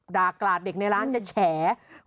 กราดเด็กในร้านจะแฉ